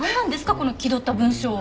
この気取った文章は。